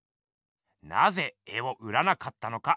なぜ絵を売らなかったのか？